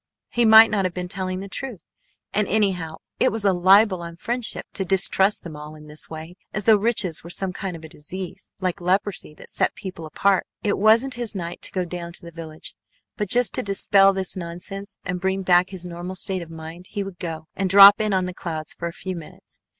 He might not have been telling the truth. And anyhow it was a libel on friendship to distrust them all this way, as though riches were some kind of a disease like leprosy that set people apart. It wasn't his night to go down to the village, but just to dispel this nonsense and bring back his normal state of mind he would go and drop in on the Clouds for a few minutes.